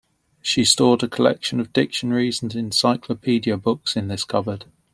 She stored a collection of dictionaries and encyclopedia books in this cupboard.